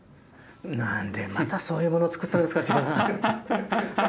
なんでまたそういうもの作ったんですか千葉さん。